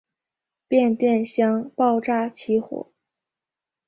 变电箱爆炸起火。